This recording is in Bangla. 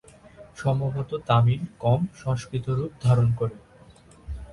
সম্ভবত তামিল কম সংস্কৃত রূপ ধারণ করে।